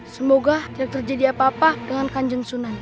semoga tidak terjadi apa apa dengan kanjeng sunan